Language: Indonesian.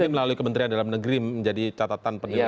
ya mungkin melalui kementerian dalam negeri menjadi catatan pendirian